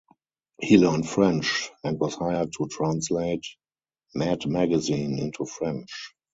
He learned French, and was hired to translate "Mad magazine" into French.